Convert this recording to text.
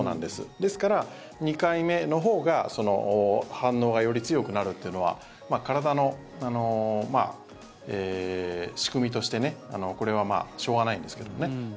ですから、２回目のほうが反応がより強くなるというのは体の仕組みとして、これはしょうがないんですけどね。